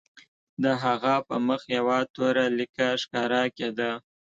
د هغه په مخ یوه توره لیکه ښکاره کېده